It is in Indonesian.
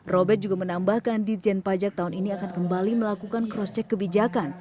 robert juga menambahkan dirjen pajak tahun ini akan kembali melakukan cross check kebijakan